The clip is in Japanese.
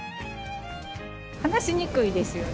話にくいですよね。